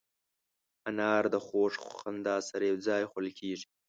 انار د خوږ خندا سره یو ځای خوړل کېږي.